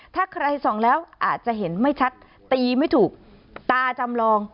ถ้าใครส่องแล้วอาจจะเห็นไม่ชัดตีไม่ถูกตาจำลอง